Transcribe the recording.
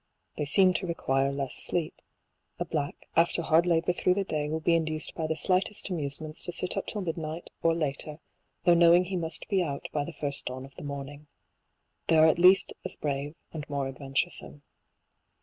They seem to require less sleep. A black, after hard labour through the day, will be induced by the slightest amusements to sit up till midnight, or later, though knowing be must be out by the first dawn of the morning. They are at least as brave, and more adventuresome.